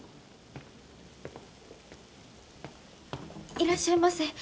いらっしゃいませ。